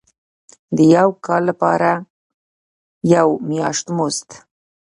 د یو کال کار لپاره یو میاشت مزد.